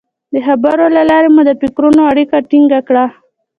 د خبرو له لارې مو د فکرونو اړیکه ټینګه کړه.